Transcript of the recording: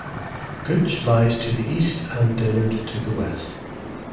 Gooch lies to the east and Dillard to the west.